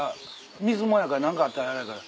水物やから何かあったらあれやから。